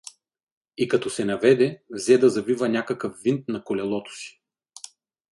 И като се наведе, взе да завива някакъв винт на колелото си.